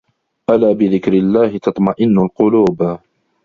ألا بذكر الله تطمئن القلوب